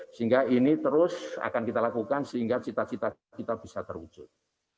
sehingga ini terus akan kita lakukan sehingga cita cita kita bisa terwujud